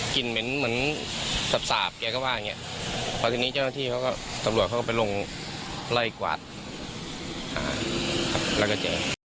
เหม็นเหมือนสาบแกก็ว่าอย่างนี้พอทีนี้เจ้าหน้าที่เขาก็ตำรวจเขาก็ไปลงไล่กวาดแล้วก็เจอ